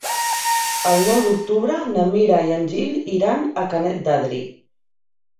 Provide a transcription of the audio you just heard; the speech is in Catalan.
El nou d'octubre na Mira i en Gil iran a Canet d'Adri.